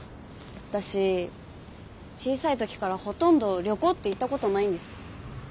私小さい時からほとんど旅行って行ったことないんです。